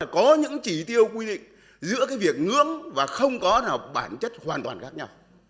có những chỉ tiêu quy định giữa cái việc ngưỡng và không có nào bản chất hoàn toàn khác nhau